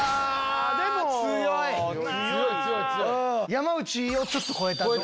山内をちょっと超えた。